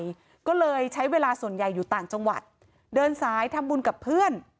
ก็เลยใช้เวลาส่วนใหญ่อยู่ต่างจังหวัดเดินสายทำบุญกับเพื่อน